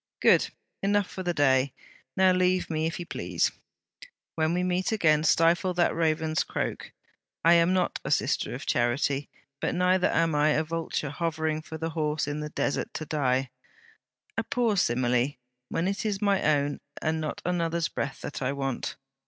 'Good. Enough for the day. Now leave me, if you please. When we meet again, stifle that raven's croak. I am not a "Sister of Charity," but neither am I a vulture hovering for the horse in the desert to die. A poor simile! when it is my own and not another's breath that I want.